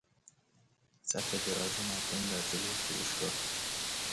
صف دراز مردم در جلو فروشگاه